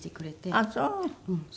ああそう。